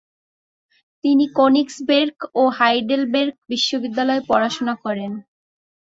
তিনি ক্যোনিগসবের্গ ও হাইডেলবের্গ বিশ্ববিদ্যালয়ে পড়াশোনা করেন।